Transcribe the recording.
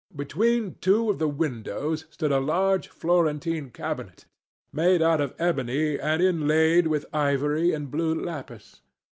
Between two of the windows stood a large Florentine cabinet, made out of ebony and inlaid with ivory and blue lapis.